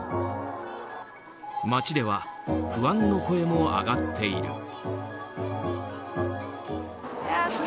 街では不安の声も上がっている。